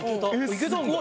いけたんだ。